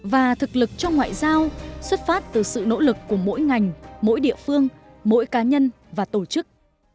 và thực lực trong ngoại giao xuất phát từ sự nỗ lực của mỗi ngành mỗi địa phương mỗi cá nhân và tổ chức